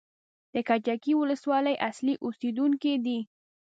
د کجکي ولسوالۍ اصلي اوسېدونکی دی.